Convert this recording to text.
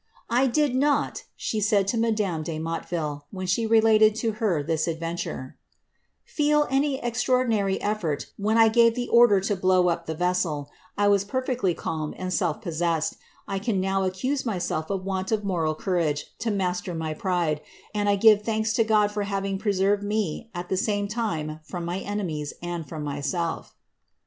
^I did not," she said to madame de Motteville, when she related to her this adventure, '^ feel any extraordinary efibrt when I gave the order to blow up the vessel; I was perfectly calm and self possessed; I can now accuse myself of want of moral courage to master my pride ; tod I give thanks to God for having preserved me at the same time from my enemies and from myself."